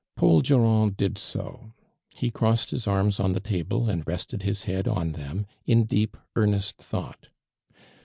Paul DuraiKi did so. He crossed his arms on the table and rested his head on them, in deep, earnest thought.